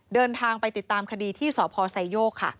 เดินทางไปติดตามคดีที่สพไซโยกค่ะ